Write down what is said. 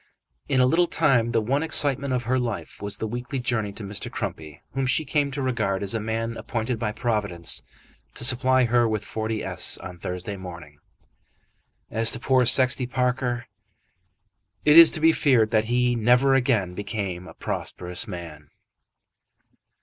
In a little time the one excitement of her life was the weekly journey to Mr. Crumpy, whom she came to regard as a man appointed by Providence to supply her with 40s. on Thursday morning. As to poor Sexty Parker, it is to be feared that he never again became a prosperous man.